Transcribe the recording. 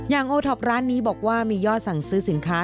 โอท็อปร้านนี้บอกว่ามียอดสั่งซื้อสินค้า